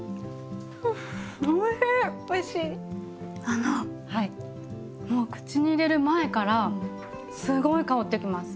あのもう口に入れる前からすごい香ってきます。